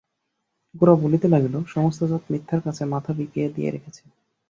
গোরা বলিতে লাগিল, সমস্ত জাত মিথ্যার কাছে মাথা বিকিয়ে দিয়ে রেখেছে।